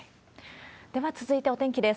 では続いてお天気です。